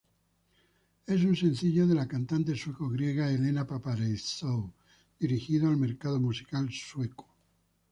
Es un sencillo de la cantante sueco-griega Helena Paparizou dirigido al mercado musical sueco.